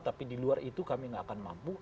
tapi di luar itu kami nggak akan mampu